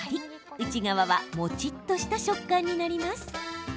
内側は、もちっとした食感になります。